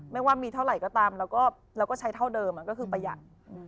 ว่ามีเท่าไหร่ก็ตามแล้วก็ใช้เท่าเดิมก็คือประหยัด